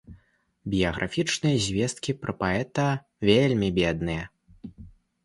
Біяграфічныя звесткі пра паэта вельмі бедныя.